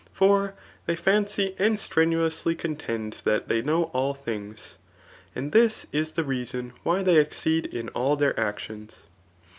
For they fancy and strenuously con^ tend that they know all things ; and this is the reason why they exceed in all their actions.